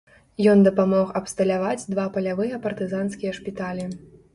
Ён дапамог абсталяваць два палявыя партызанскія шпіталі.